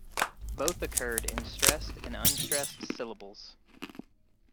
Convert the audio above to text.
Both occurred in stressed and unstressed syllables.